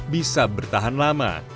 bisa bertahan lama